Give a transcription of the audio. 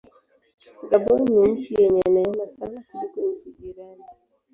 Gabon ni nchi yenye neema sana kuliko nchi jirani.